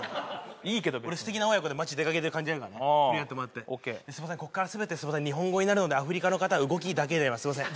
いいけど俺素敵な親子で街出かけてる感じやるからね不良やってもらってオッケーこっから全て日本語になるのでアフリカの方動きだけですいません